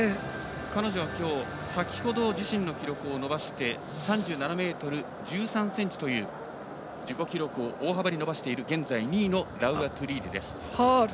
彼女は今日、先ほど自身の記録を伸ばして３７ｍ１３ｃｍという自己記録を大幅に伸ばしている現在２位のラウア・トゥリーリです。